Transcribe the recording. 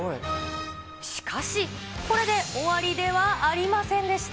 しかし、これで終わりではありませんでした。